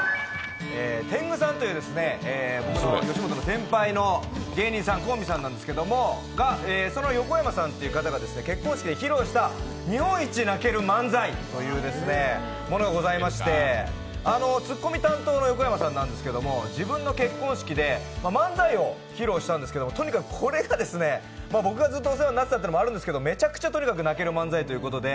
天狗さんという吉本の先輩の芸人さん、コンビさんなんですけど、その横山さんという方が結婚式で披露した日本一泣ける漫才というものがございまして、ツッコミ担当の横山さんなんですけど、自分の結婚式で漫才を披露したんですけども、とにかくこれが僕がずっとお世話になっていたというのもあるんですけど、めちゃくちゃとにかく泣ける漫才ということで